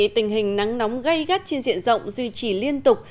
tình hình nắng nóng gây gắt trên diện rộng duy trì liên tục